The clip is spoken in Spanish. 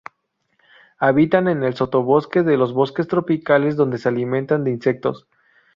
Habitan en el sotobosque de los bosques tropicales donde se alimentan de insectos.